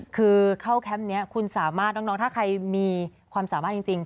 คือเข้าแคมป์นี้คุณสามารถน้องถ้าใครมีความสามารถจริง